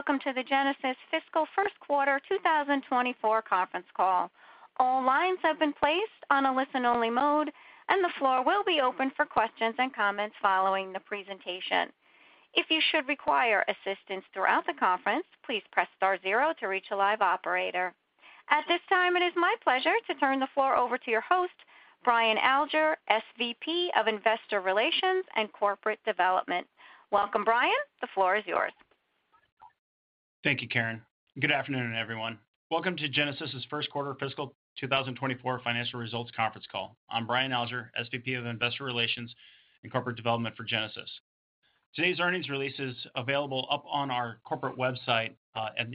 Welcome to the Genasys Fiscal First Quarter 2024 conference call. All lines have been placed on a listen-only mode, and the floor will be open for questions and comments following the presentation. If you should require assistance throughout the conference, please press star zero to reach a live operator. At this time, it is my pleasure to turn the floor over to your host, Brian Alger, SVP of Investor Relations and Corporate Development. Welcome, Brian. The floor is yours. Thank you, Karen. Good afternoon, everyone. Welcome to Genasys's First Quarter Fiscal 2024 Financial Results Conference Call. I'm Brian Alger, SVP of Investor Relations and Corporate Development for Genasys. Today's earnings release is available up on our corporate website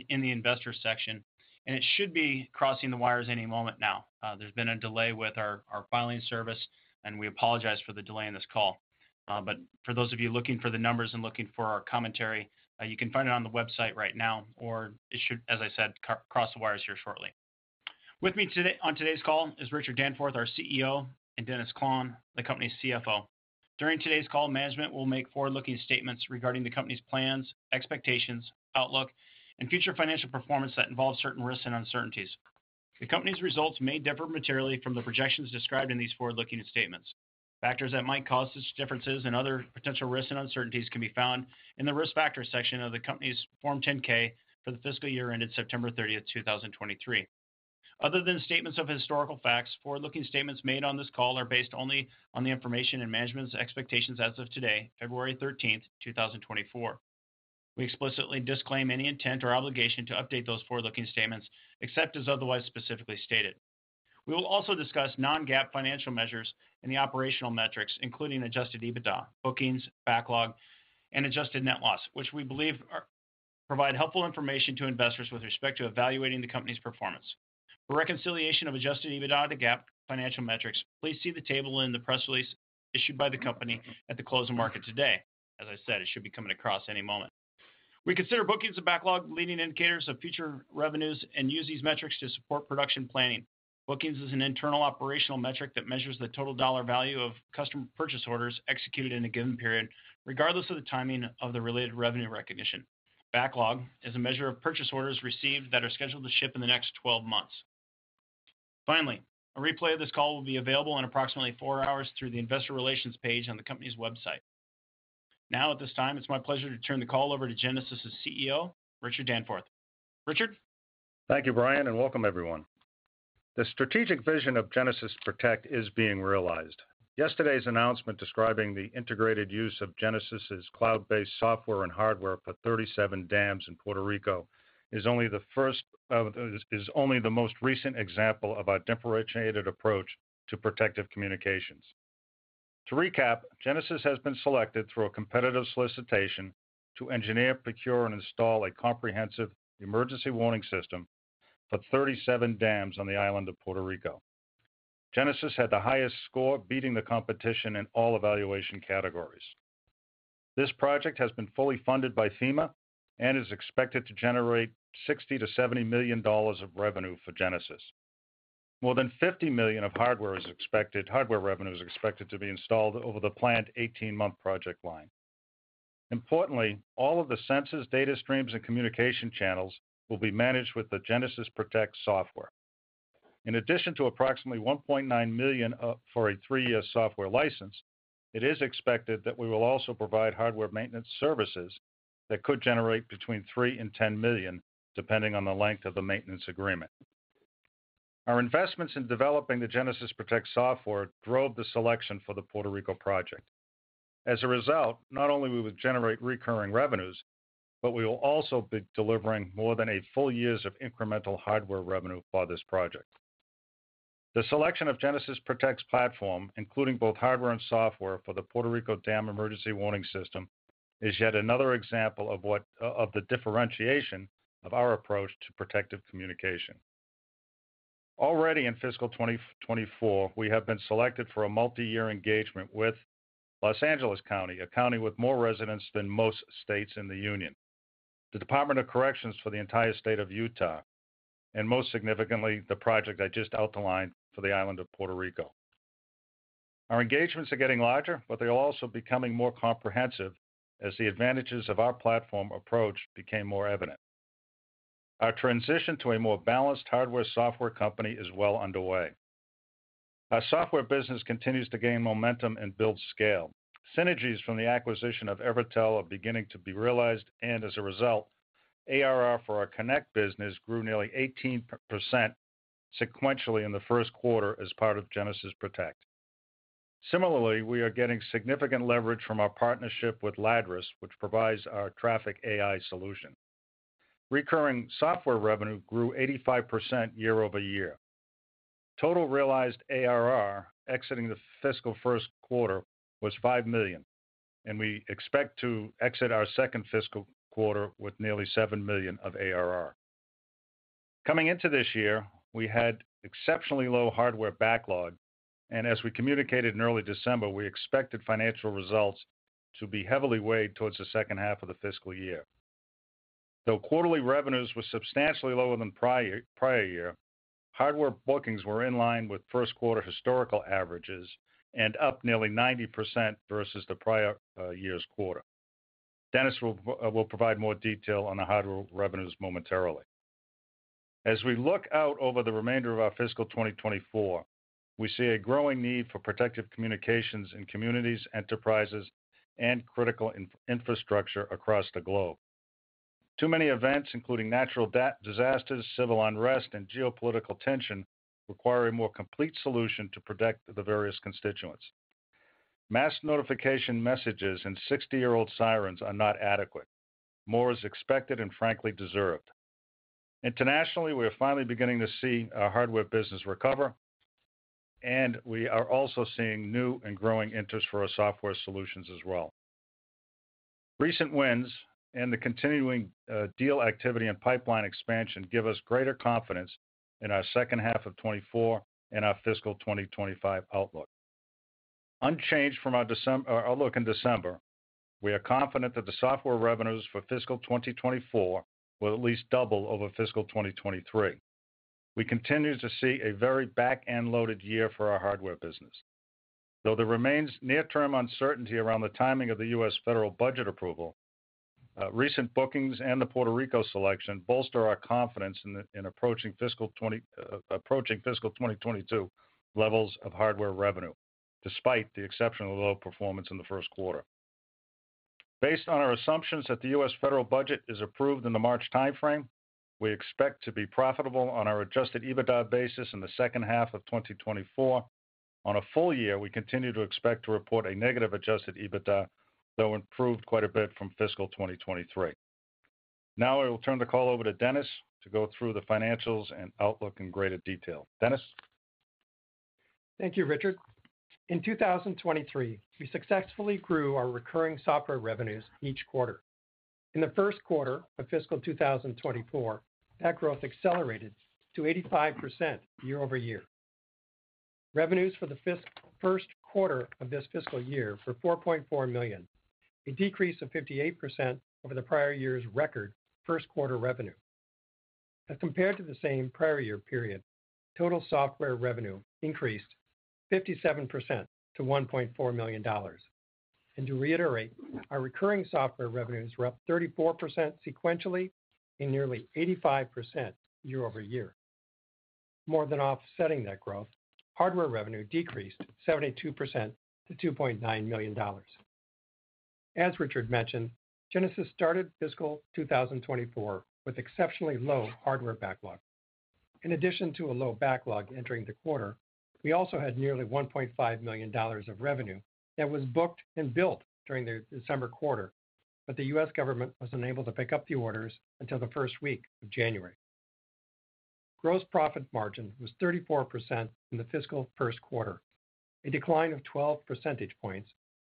in the Investors section, and it should be crossing the wires any moment now. There's been a delay with our filing service, and we apologize for the delay in this call. But for those of you looking for the numbers and looking for our commentary, you can find it on the website right now, or it should, as I said, cross the wires here shortly. With me on today's call is Richard Danforth, our CEO, and Dennis Klahn, the company's CFO. During today's call, management will make forward-looking statements regarding the company's plans, expectations, outlook, and future financial performance that involve certain risks and uncertainties. The company's results may differ materially from the projections described in these forward-looking statements. Factors that might cause such differences and other potential risks and uncertainties can be found in the Risk Factors section of the company's Form 10-K for the fiscal year ended September 30, 2023. Other than statements of historical facts, forward-looking statements made on this call are based only on the information in management's expectations as of today, February 13, 2024. We explicitly disclaim any intent or obligation to update those forward-looking statements except as otherwise specifically stated. We will also discuss non-GAAP financial measures and the operational metrics, including Adjusted EBITDA, Bookings, Backlog, and adjusted net loss, which we believe provide helpful information to investors with respect to evaluating the company's performance. For reconciliation of Adjusted EBITDA to GAAP financial metrics, please see the table in the press release issued by the company at the close of market today. As I said, it should be coming across any moment. We consider bookings and backlog leading indicators of future revenues and use these metrics to support production planning. Bookings is an internal operational metric that measures the total dollar value of customer purchase orders executed in a given period, regardless of the timing of the related revenue recognition. Backlog is a measure of purchase orders received that are scheduled to ship in the next 12 months. Finally, a replay of this call will be available in approximately four hours through the Investor Relations page on the company's website. Now, at this time, it's my pleasure to turn the call over to Genasys's CEO, Richard Danforth. Richard? Thank you, Brian, and welcome, everyone. The strategic vision of Genasys Protect is being realized. Yesterday's announcement describing the integrated use of Genasys's cloud-based software and hardware for 37 dams in Puerto Rico is only the most recent example of our differentiated approach to protective communications. To recap, Genasys has been selected through a competitive solicitation to engineer, procure, and install a comprehensive emergency warning system for 37 dams on the island of Puerto Rico. Genasys had the highest score, beating the competition in all evaluation categories. This project has been fully funded by FEMA and is expected to generate $60-$70 million of revenue for Genasys. More than $50 million of hardware revenue is expected to be installed over the planned 18-month project line. Importantly, all of the sensors, data streams, and communication channels will be managed with the Genasys Protect software. In addition to approximately $1.9 million for a three-year software license, it is expected that we will also provide hardware maintenance services that could generate between $3 and $10 million, depending on the length of the maintenance agreement. Our investments in developing the Genasys Protect software drove the selection for the Puerto Rico project. As a result, not only will we generate recurring revenues, but we will also be delivering more than eight full years of incremental hardware revenue for this project. The selection of Genasys Protect's platform, including both hardware and software for the Puerto Rico Dam Emergency Warning System, is yet another example of what of the differentiation of our approach to protective communication. Already in fiscal 2024, we have been selected for a multi-year engagement with Los Angeles County, a county with more residents than most states in the union, the Department of Corrections for the entire state of Utah, and most significantly, the project I just outlined for the island of Puerto Rico. Our engagements are getting larger, but they are also becoming more comprehensive as the advantages of our platform approach became more evident. Our transition to a more balanced hardware-software company is well underway. Our software business continues to gain momentum and build scale. Synergies from the acquisition of Evertel are beginning to be realized, and as a result, ARR for our Connect business grew nearly 18% sequentially in the first quarter as part of Genasys Protect. Similarly, we are getting significant leverage from our partnership with Ladris, which provides our traffic AI solution. Recurring software revenue grew 85% year-over-year. Total realized ARR exiting the fiscal first quarter was $5 million, and we expect to exit our second fiscal quarter with nearly $7 million of ARR. Coming into this year, we had exceptionally low hardware backlog, and as we communicated in early December, we expected financial results to be heavily weighed towards the second half of the fiscal year. Though quarterly revenues were substantially lower than prior year, hardware bookings were in line with first quarter historical averages and up nearly 90% versus the prior year's quarter. Dennis will provide more detail on the hardware revenues momentarily. As we look out over the remainder of our fiscal 2024, we see a growing need for protective communications in communities, enterprises, and critical infrastructure across the globe. Too many events, including natural disasters, civil unrest, and geopolitical tension, require a more complete solution to protect the various constituents. Mass notification messages and 60-year-old sirens are not adequate. More is expected and frankly deserved. Internationally, we are finally beginning to see our hardware business recover, and we are also seeing new and growing interest for our software solutions as well. Recent wins and the continuing deal activity and pipeline expansion give us greater confidence in our second half of 2024 and our fiscal 2025 outlook. Unchanged from our December our outlook in December, we are confident that the software revenues for fiscal 2024 will at least double over fiscal 2023. We continue to see a very back-end loaded year for our hardware business. Though there remains near-term uncertainty around the timing of the U.S. Federal budget approval, recent bookings and the Puerto Rico selection bolster our confidence in approaching fiscal 2022 levels of hardware revenue, despite the exceptionally low performance in the first quarter. Based on our assumptions that the U.S. federal budget is approved in the March time frame, we expect to be profitable on our adjusted EBITDA basis in the second half of 2024. On a full year, we continue to expect to report a negative adjusted EBITDA, though improved quite a bit from fiscal 2023. Now I will turn the call over to Dennis to go through the financials and outlook in greater detail. Dennis? Thank you, Richard. In 2023, we successfully grew our recurring software revenues each quarter. In the first quarter of fiscal 2024, that growth accelerated to 85% year-over-year. Revenues for the first quarter of this fiscal year were $4.4 million, a decrease of 58% over the prior year's record first quarter revenue. As compared to the same prior year period, total software revenue increased 57% to $1.4 million. And to reiterate, our recurring software revenues were up 34% sequentially and nearly 85% year-over-year. More than offsetting that growth, hardware revenue decreased 72% to $2.9 million. As Richard mentioned, Genasys started fiscal 2024 with exceptionally low hardware backlog. In addition to a low backlog entering the quarter, we also had nearly $1.5 million of revenue that was booked and built during the December quarter, but the U.S. government was unable to pick up the orders until the first week of January. Gross profit margin was 34% in the fiscal first quarter, a decline of 12 percentage points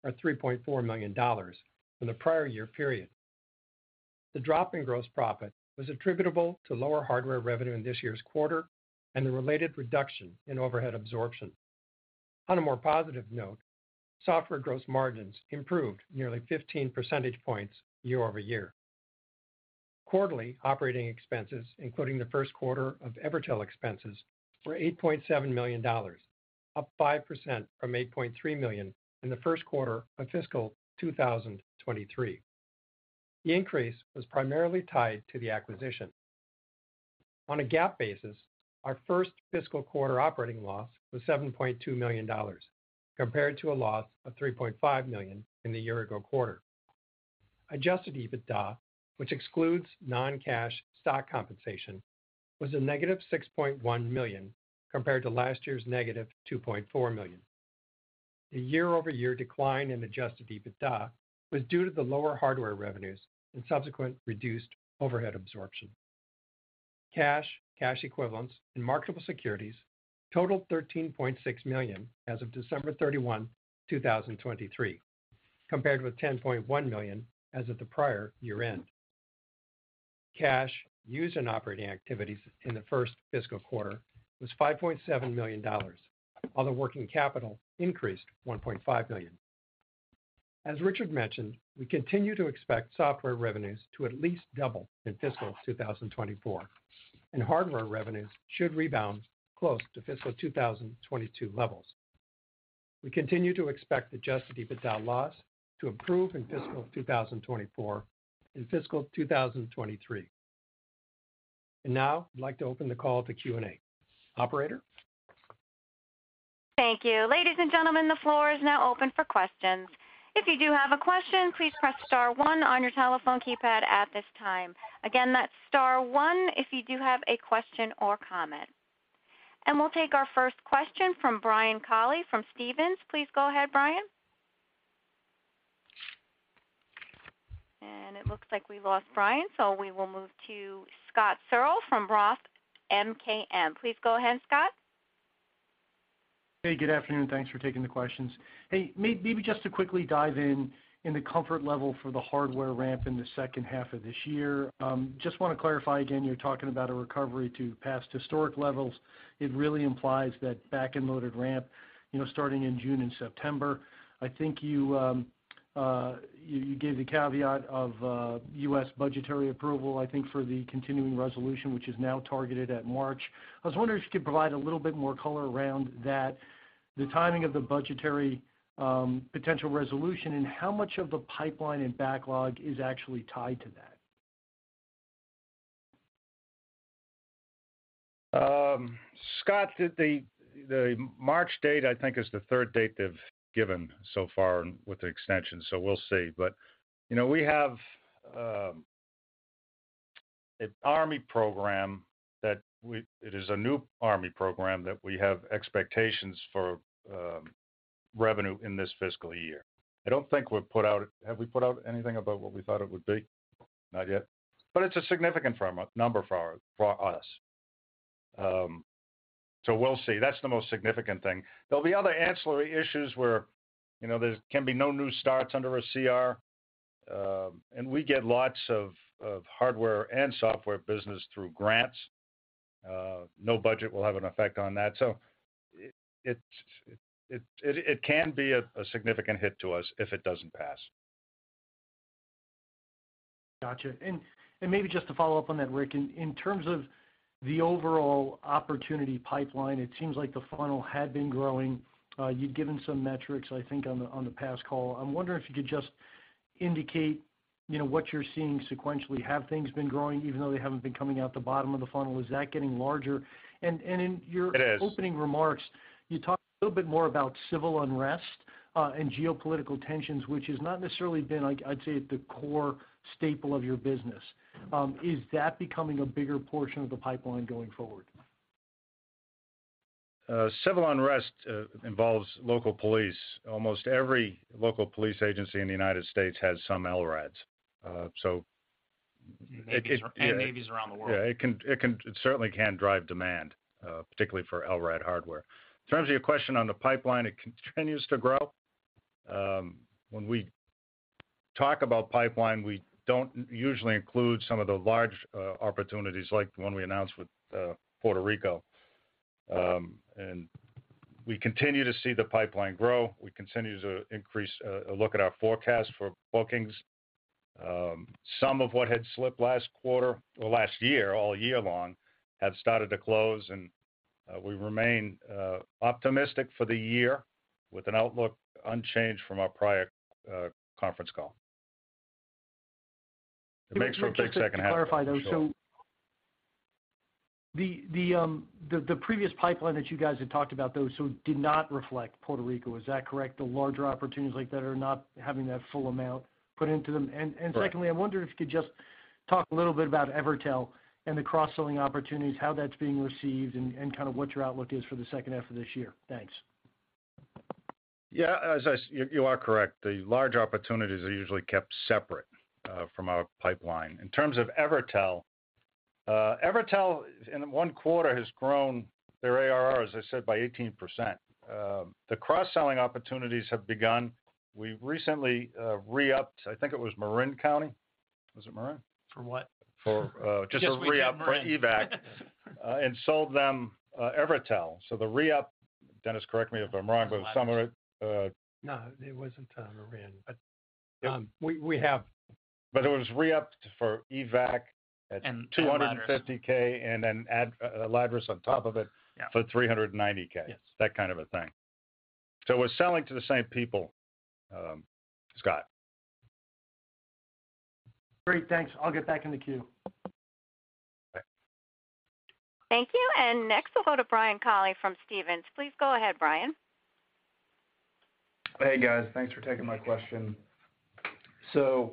or $3.4 million from the prior year period. The drop in gross profit was attributable to lower hardware revenue in this year's quarter and the related reduction in overhead absorption. On a more positive note, software gross margins improved nearly 15 percentage points year-over-year. Quarterly operating expenses, including the first quarter of Evertel expenses, were $8.7 million, up 5% from $8.3 million in the first quarter of fiscal 2023. The increase was primarily tied to the acquisition. On a GAAP basis, our first fiscal quarter operating loss was $7.2 million, compared to a loss of $3.5 million in the year-ago quarter. Adjusted EBITDA, which excludes non-cash stock compensation, was a negative $6.1 million compared to last year's negative $2.4 million. The year-over-year decline in adjusted EBITDA was due to the lower hardware revenues and subsequent reduced overhead absorption. Cash, cash equivalents, and marketable securities totaled $13.6 million as of December 31, 2023, compared with $10.1 million as of the prior year-end. Cash used in operating activities in the first fiscal quarter was $5.7 million, while the working capital increased $1.5 million. As Richard mentioned, we continue to expect software revenues to at least double in fiscal 2024, and hardware revenues should rebound close to fiscal 2022 levels. We continue to expect adjusted EBITDA loss to improve in fiscal 2024 and fiscal 2023. And now I'd like to open the call to Q&A. Operator? Thank you. Ladies and gentlemen, the floor is now open for questions. If you do have a question, please press star one on your telephone keypad at this time. Again, that's star one if you do have a question or comment. And we'll take our first question from Brian Colley from Stephens. Please go ahead, Brian. And it looks like we lost Brian, so we will move to Scott Searle from ROTH MKM. Please go ahead, Scott. Hey, good afternoon. Thanks for taking the questions. Hey, maybe just to quickly dive in, in the comfort level for the hardware ramp in the second half of this year, just want to clarify again, you're talking about a recovery to past historic levels. It really implies that back-end loaded ramp, starting in June and September. I think you gave the caveat of U.S. budgetary approval, I think, for the continuing resolution, which is now targeted at March. I was wondering if you could provide a little bit more color around that, the timing of the budgetary potential resolution, and how much of the pipeline and backlog is actually tied to that? Scott, the March date, I think, is the third date they've given so far with the extension, so we'll see. But we have an Army program that it is a new Army program that we have expectations for revenue in this fiscal year. I don't think we've put out have we put out anything about what we thought it would be? Not yet. But it's a significant number for us. So we'll see. That's the most significant thing. There'll be other ancillary issues where there can be no new starts under a CR, and we get lots of hardware and software business through grants. No budget will have an effect on that. So it can be a significant hit to us if it doesn't pass. Gotcha. Maybe just to follow up on that, Rick, in terms of the overall opportunity pipeline, it seems like the funnel had been growing. You'd given some metrics, I think, on the past call. I'm wondering if you could just indicate what you're seeing sequentially. Have things been growing even though they haven't been coming out the bottom of the funnel? Is that getting larger? In your opening remarks, you talked a little bit more about civil unrest and geopolitical tensions, which has not necessarily been, I'd say, the core staple of your business. Is that becoming a bigger portion of the pipeline going forward? Civil unrest involves local police. Almost every local police agency in the United States has some LRADs. So it's. And navies around the world. Yeah. It certainly can drive demand, particularly for LRAD hardware. In terms of your question on the pipeline, it continues to grow. When we talk about pipeline, we don't usually include some of the large opportunities like the one we announced with Puerto Rico. We continue to see the pipeline grow. We continue to look at our forecast for bookings. Some of what had slipped last quarter or last year, all year long, have started to close, and we remain optimistic for the year with an outlook unchanged from our prior conference call. It makes for a big second half. Richard, just to clarify, though, so the previous pipeline that you guys had talked about, though, so did not reflect Puerto Rico. Is that correct? The larger opportunities like that are not having that full amount put into them. Secondly, I wondered if you could just talk a little bit about Evertel and the cross-selling opportunities, how that's being received, and kind of what your outlook is for the second half of this year. Thanks. Yeah, as I said, you are correct. The large opportunities are usually kept separate from our pipeline. In terms of Evertel, Evertel, in one quarter, has grown their ARR, as I said, by 18%. The cross-selling opportunities have begun. We recently re-upped, I think it was Marin County. Was it Marin? For what? For just a re-up for EVAC and sold them Evertel. So the re-up, Dennis, correct me if I'm wrong, but some of it. No, it wasn't Marin, but we have. But it was re-upped for EVAC at $250,000 and then Ladris on top of it for $390,000, that kind of a thing. So we're selling to the same people, Scott. Great. Thanks. I'll get back in the queue. Thank you. Next, we'll go to Brian Colley from Stephens. Please go ahead, Brian. Hey, guys. Thanks for taking my question. So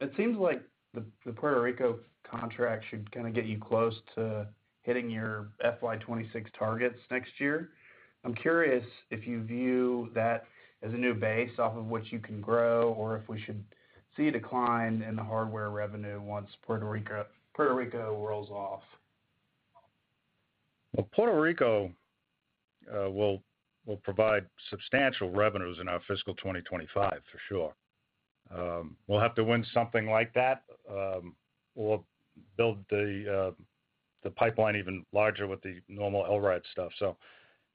it seems like the Puerto Rico contract should kind of get you close to hitting your FY26 targets next year. I'm curious if you view that as a new base off of which you can grow or if we should see a decline in the hardware revenue once Puerto Rico rolls off? Well, Puerto Rico will provide substantial revenues in our fiscal 2025, for sure. We'll have to win something like that or build the pipeline even larger with the normal LRAD stuff. So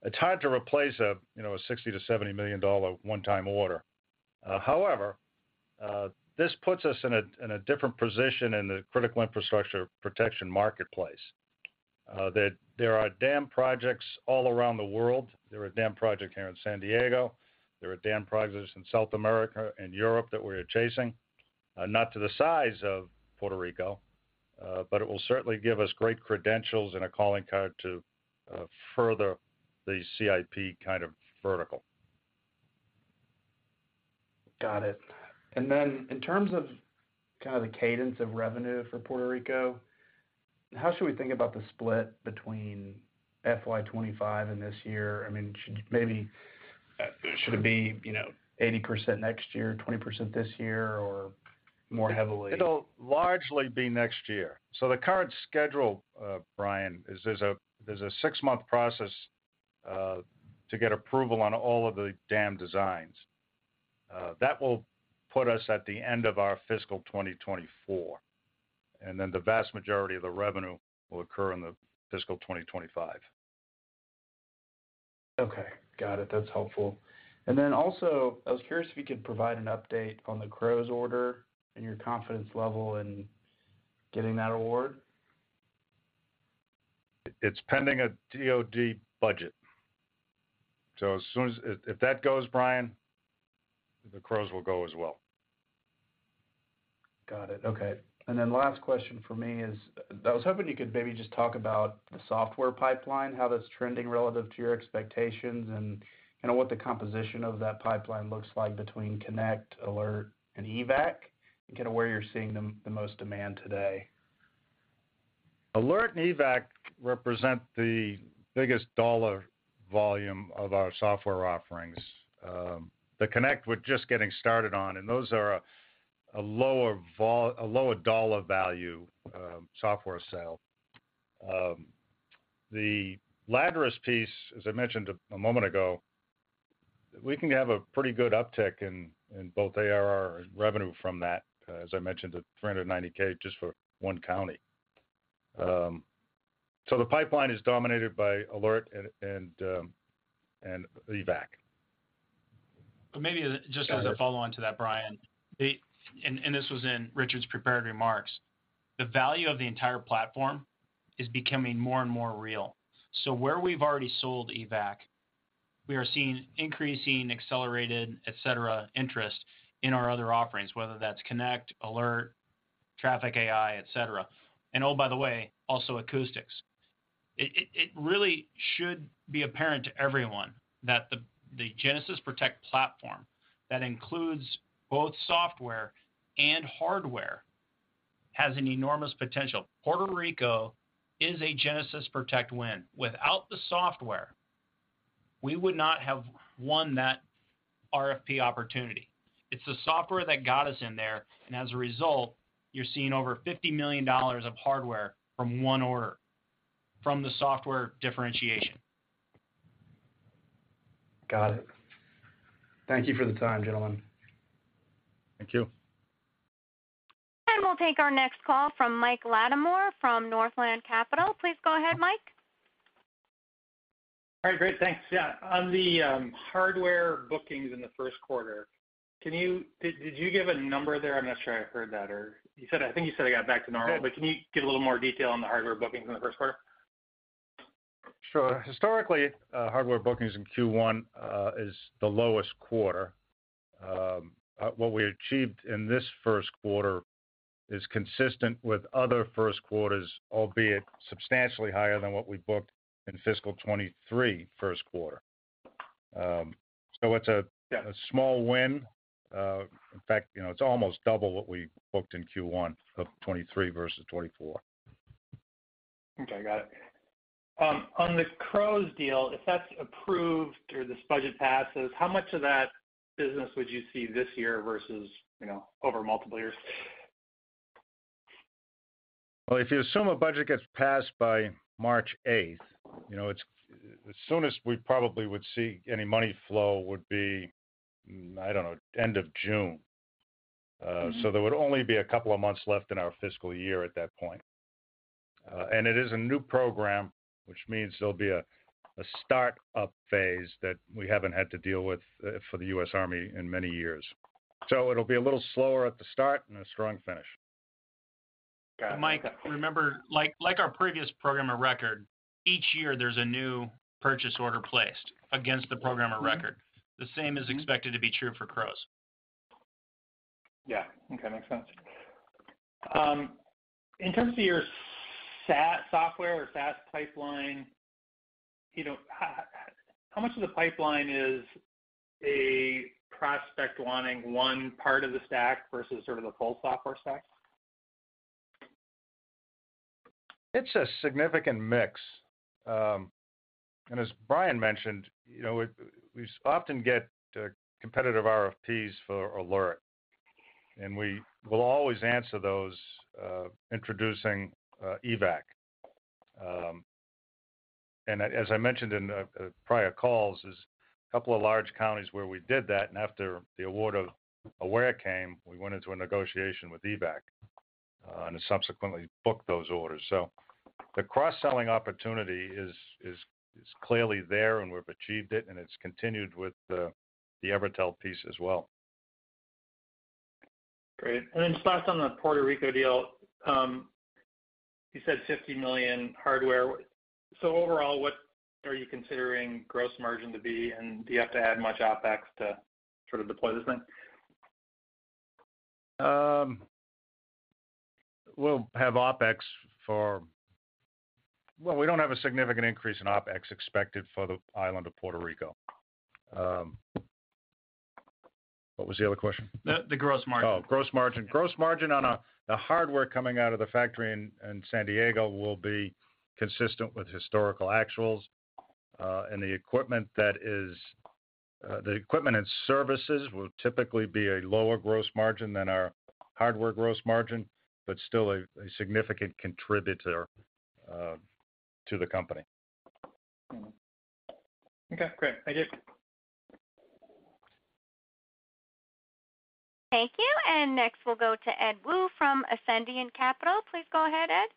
it's hard to replace a $60 million-$70 million one-time order. However, this puts us in a different position in the critical infrastructure protection marketplace. There are dam projects all around the world. There are dam projects here in San Diego. There are dam projects in South America and Europe that we are chasing, not to the size of Puerto Rico, but it will certainly give us great credentials and a calling card to further the CIP kind of vertical. Got it. And then in terms of kind of the cadence of revenue for Puerto Rico, how should we think about the split between FY25 and this year? I mean, maybe should it be 80% next year, 20% this year, or more heavily? It'll largely be next year. So the current schedule, Brian, is there's a six-month process to get approval on all of the dam designs. That will put us at the end of our fiscal 2024, and then the vast majority of the revenue will occur in the fiscal 2025. Okay. Got it. That's helpful. And then also, I was curious if you could provide an update on the CROWS order and your confidence level in getting that award? It's pending a DOD budget. So as soon as if that goes, Brian, the CROWS will go as well. Got it. Okay. And then last question for me is I was hoping you could maybe just talk about the software pipeline, how that's trending relative to your expectations, and kind of what the composition of that pipeline looks like between CONNECT, ALERT, and EVAC and kind of where you're seeing the most demand today? Alert and EVAC represent the biggest dollar volume of our software offerings. The Connect we're just getting started on, and those are a lower dollar value software sale. The Ladris piece, as I mentioned a moment ago, we can have a pretty good uptick in both ARR and revenue from that, as I mentioned, to $390,000 just for one county. So the pipeline is dominated by Alert and EVAC. But maybe just as a follow-on to that, Brian, and this was in Richard's prepared remarks, the value of the entire platform is becoming more and more real. So where we've already sold EVAC, we are seeing increasing, accelerated, etc., interest in our other offerings, whether that's Connect, Alert, Traffic AI, etc., and oh, by the way, also acoustics. It really should be apparent to everyone that the Genasys Protect platform that includes both software and hardware has an enormous potential. Puerto Rico is a Genasys Protect win. Without the software, we would not have won that RFP opportunity. It's the software that got us in there, and as a result, you're seeing over $50 million of hardware from one order from the software differentiation. Got it. Thank you for the time, gentlemen. Thank you. We'll take our next call from Mike Latimore from Northland Capital. Please go ahead, Mike. All right. Great. Thanks. Yeah. On the hardware bookings in the first quarter, did you give a number there? I'm not sure I heard that, or you said I think you said it got back to normal, but can you give a little more detail on the hardware bookings in the first quarter? Sure. Historically, hardware bookings in Q1 is the lowest quarter. What we achieved in this first quarter is consistent with other first quarters, albeit substantially higher than what we booked in fiscal 2023 first quarter. So it's a small win. In fact, it's almost double what we booked in Q1 of 2023 versus 2024. Okay. Got it. On the CROWS deal, if that's approved or this budget passes, how much of that business would you see this year versus over multiple years? Well, if you assume a budget gets passed by March 8th, as soon as we probably would see any money flow would be, I don't know, end of June. There would only be a couple of months left in our fiscal year at that point. It is a new program, which means there'll be a startup phase that we haven't had to deal with for the U.S. Army in many years. It'll be a little slower at the start and a strong finish. Mike, remember, like our previous program of record, each year there's a new purchase order placed against the program of record. The same is expected to be true for CROWS. Yeah. Okay. Makes sense. In terms of your SaaS software or SaaS pipeline, how much of the pipeline is a prospect wanting one part of the stack versus sort of the full software stack? It's a significant mix. As Brian mentioned, we often get competitive RFPs for Alert, and we will always answer those introducing EVAC. As I mentioned in prior calls, there's a couple of large counties where we did that, and after the award of Alert came, we went into a negotiation with EVAC and subsequently booked those orders. The cross-selling opportunity is clearly there, and we've achieved it, and it's continued with the Evertel piece as well. Great. And then just last on the Puerto Rico deal, you said $50 million hardware. So overall, what are you considering gross margin to be? And do you have to add much OpEx to sort of deploy this thing? We'll have OpEx. Well, we don't have a significant increase in OpEx expected for the island of Puerto Rico. What was the other question? The gross margin. Oh, gross margin. Gross margin on the hardware coming out of the factory in San Diego will be consistent with historical actuals. The equipment and services will typically be a lower gross margin than our hardware gross margin, but still a significant contributor to the company. Okay. Great. Thank you. Thank you. Next, we'll go to Ed Woo from Ascendiant Capital. Please go ahead, Ed.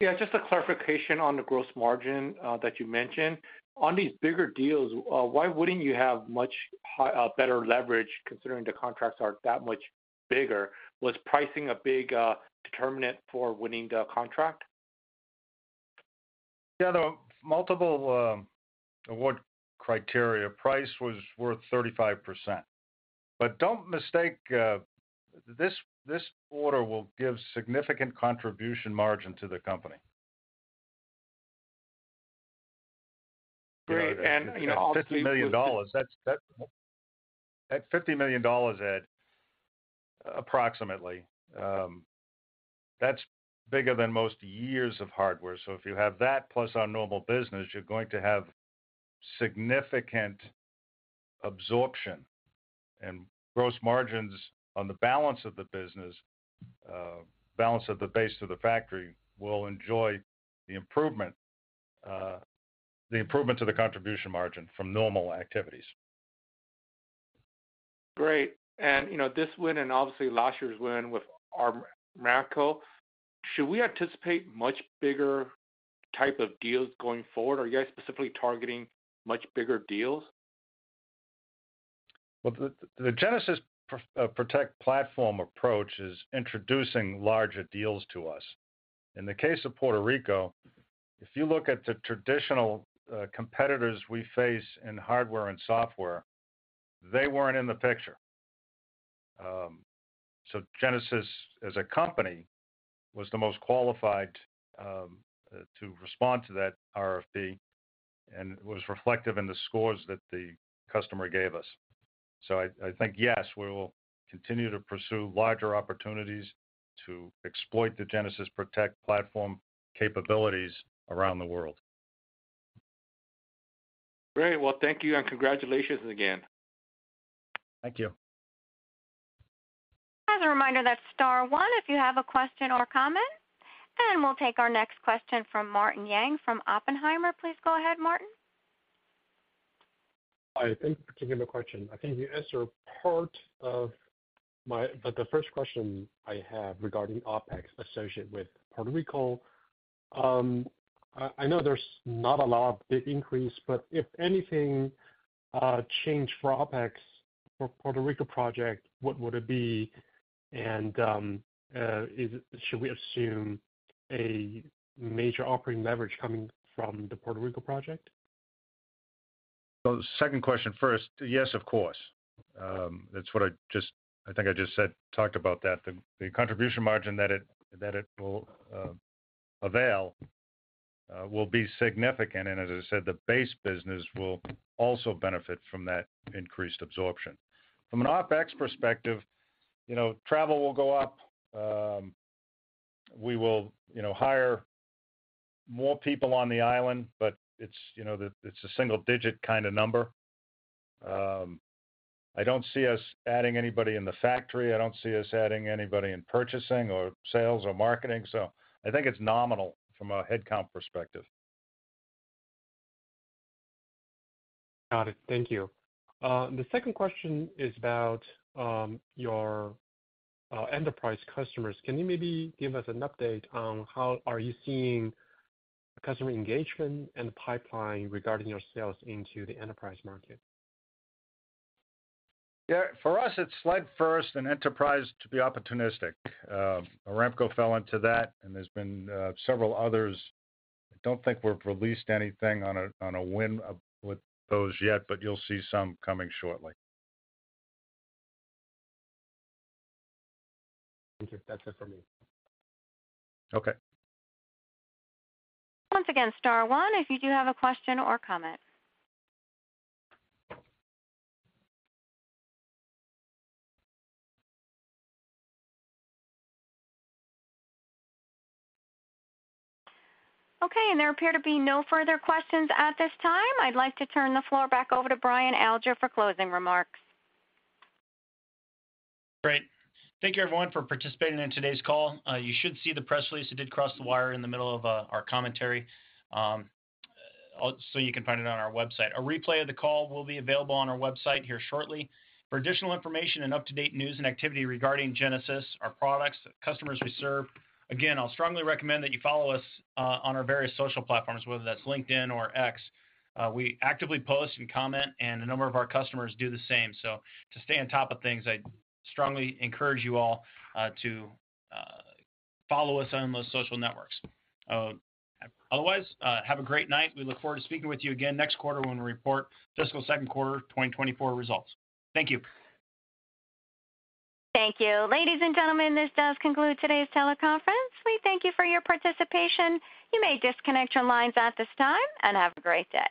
Yeah. Just a clarification on the gross margin that you mentioned. On these bigger deals, why wouldn't you have much better leverage considering the contracts are that much bigger? Was pricing a big determinant for winning the contract? Yeah. The multiple award criteria, price was worth 35%. But don't mistake, this order will give significant contribution margin to the company. Great. And obviously. That's $50 million. That's $50 million, Ed, approximately. That's bigger than most years of hardware. So if you have that plus our normal business, you're going to have significant absorption. And gross margins on the balance of the business, balance of the base to the factory, will enjoy the improvement to the contribution margin from normal activities. Great. This win and obviously last year's win with Aramco, should we anticipate much bigger type of deals going forward, or are you guys specifically targeting much bigger deals? Well, the Genasys Protect platform approach is introducing larger deals to us. In the case of Puerto Rico, if you look at the traditional competitors we face in hardware and software, they weren't in the picture. So Genasys, as a company, was the most qualified to respond to that RFP, and it was reflective in the scores that the customer gave us. So I think, yes, we will continue to pursue larger opportunities to exploit the Genasys Protect platform capabilities around the world. Great. Well, thank you and congratulations again. Thank you. As a reminder, that's star one if you have a question or comment. We'll take our next question from Martin Yang from Oppenheimer. Please go ahead, Martin. I think, particularly my question. I think you answered part of my but the first question I have regarding OpEx associated with Puerto Rico. I know there's not a lot of big increase, but if anything changed for OpEx for Puerto Rico project, what would it be? And should we assume a major operating leverage coming from the Puerto Rico project? So second question first, yes, of course. That's what I think I just said, talked about that. The contribution margin that it will avail will be significant. And as I said, the base business will also benefit from that increased absorption. From an OpEx perspective, travel will go up. We will hire more people on the island, but it's a single-digit kind of number. I don't see us adding anybody in the factory. I don't see us adding anybody in purchasing or sales or marketing. So I think it's nominal from a headcount perspective. Got it. Thank you. The second question is about your enterprise customers. Can you maybe give us an update on how are you seeing customer engagement and the pipeline regarding your sales into the enterprise market? Yeah. For us, it slid first in enterprise to be opportunistic. Aramco fell into that, and there's been several others. I don't think we've released anything on a win with those yet, but you'll see some coming shortly. Thank you. That's it for me. Okay. Once again, star one if you do have a question or comment. Okay. There appear to be no further questions at this time. I'd like to turn the floor back over to Brian Alger for closing remarks. Great. Thank you, everyone, for participating in today's call. You should see the press release. It did cross the wire in the middle of our commentary, so you can find it on our website. A replay of the call will be available on our website here shortly. For additional information and up-to-date news and activity regarding Genasys, our products, customers we serve, again, I'll strongly recommend that you follow us on our various social platforms, whether that's LinkedIn or X. We actively post and comment, and a number of our customers do the same. So to stay on top of things, I strongly encourage you all to follow us on those social networks. Otherwise, have a great night. We look forward to speaking with you again next quarter when we report fiscal second quarter 2024 results. Thank you. Thank you. Ladies and gentlemen, this does conclude today's teleconference. We thank you for your participation. You may disconnect your lines at this time and have a great day.